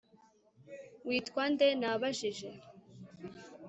Witwa nde Nabajije